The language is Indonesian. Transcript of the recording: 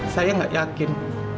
saya gak yakin